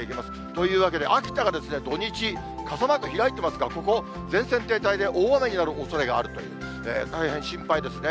というわけで、秋田が土日、傘マーク、開いてますが、ここ、前線停滞で大雨になるおそれがあるという、大変心配ですね。